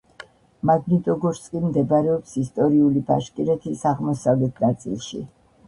მაგნიტოგორსკი მდებარეობს ისტორიული ბაშკირეთის აღმოსავლეთ ნაწილში.